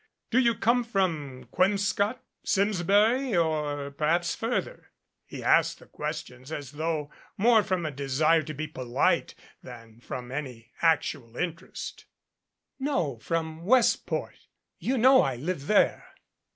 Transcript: Do you come from Quemscott, Simsbury or perhaps further?" He asked the questions as though more from a desire to be polite than from any actual interest. "No from Westport. You know I live there."